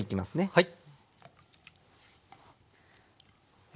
はい。